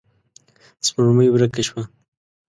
سپوږمۍ ورکه شوه.